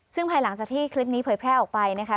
ซึ่งภายหลังจากที่คลิปนี้เผยแพร่ออกไปนะคะ